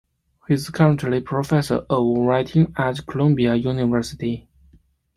He is currently professor of writing at Columbia University.